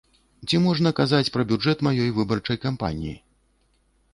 Ці можна казаць пра бюджэт маёй выбарчай кампаніі?